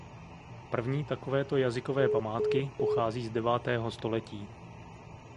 První takovéto jazykové památky pochází z devátého století.